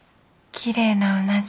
きれいなうなじ。